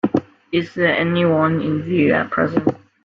Is there any one in view at present?